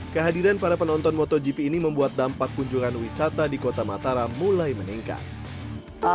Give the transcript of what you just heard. kehadiran para penonton motogp ini membuat dampak kunjungan wisata di kota mataram mulai meningkat